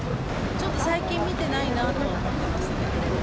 ちょっと最近見てないなとは思ってましたけど。